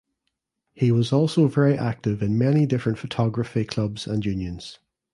He was also very active in many different photography clubs and unions.